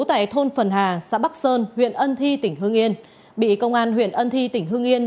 tại thôn phần hà xã bắc sơn huyện ân thi tỉnh hương yên bị công an huyện ân thi tỉnh hương yên